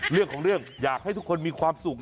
เรื่องของเรื่องอยากให้ทุกคนมีความสุข